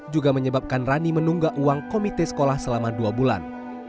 juga menyebabkan rani menunggak uang komite sekolah selama dua bulan